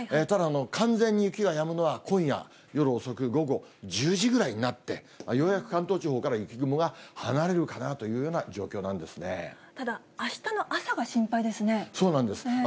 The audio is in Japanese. ただ、完全に雪がやむのは今夜夜遅く、午後１０時ぐらいになって、ようやく関東地方から雪雲が離れるかなというような状況なんですただ、あしたの朝が心配ですそうなんです。